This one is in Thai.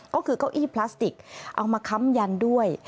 ก็คือเก้าอี้พลาสติกเอามาค้ำยันด้วย